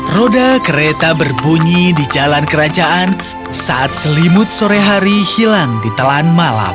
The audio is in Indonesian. roda kereta berbunyi di jalan kerajaan saat selimut sore hari hilang di telan malam